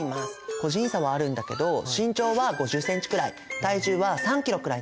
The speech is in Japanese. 個人差はあるんだけど身長は５０ｃｍくらい体重は３ｋｇくらいなんだよ。